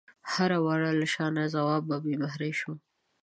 د هر وره له شانه ځواب په بې مهرۍ شوم